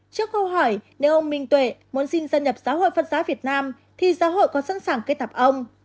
trước câu hỏi nếu ông minh tuệ muốn xin gia nhập giáo hội phật giáo việt nam thì giáo hội còn sẵn sàng kết tập ông